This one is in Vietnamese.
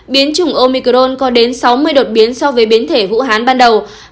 biến chủng omicron có đến sáu mươi đột biến so với biến thể vũ hán ban đầu